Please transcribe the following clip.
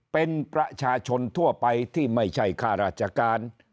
เป็นประชาชนทั่วไปที่ไม่ใช่ข้าราชการ